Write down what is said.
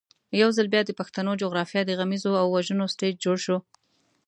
یو ځل بیا د پښتنو جغرافیه د غمیزو او وژنو سټېج جوړ شو.